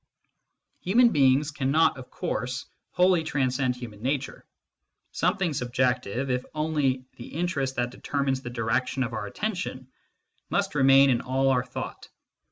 Human beings cannot, of course, wholly transcend human nature ; something subjective, if only the interest that determines the direction of our attention, must remain in all our thought.